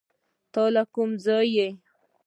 ته له کوم ځایه یې؟